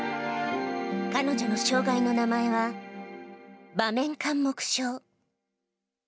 彼女の障害の名前は、場面緘黙症。